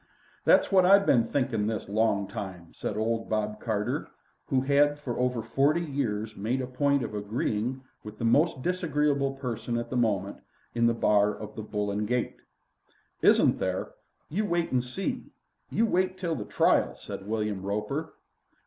"That's what I've been thinking this long time," said old Bob Carter, who had for over forty years made a point of agreeing with the most disagreeable person at the moment in the bar of the "Bull and Gate." "Isn't there? You wait an' see. You wait till the trial," said William Roper.